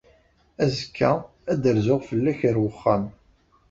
Azekka, ad d-rzuɣ fell-ak ɣer uxxam.